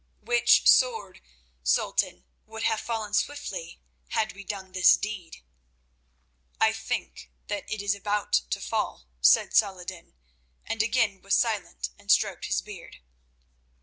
"Which sword, Sultan, would have fallen swiftly had we done this deed." "I think that it is about to fall," said Saladin, and again was silent and stroked his beard.